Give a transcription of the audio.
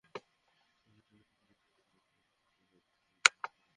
তবে এবার বেশি চলছে একের মধ্যে অনেক সুবিধা আছে এমন যন্ত্রগুলো।